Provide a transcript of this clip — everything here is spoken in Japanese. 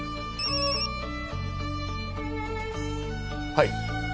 はい？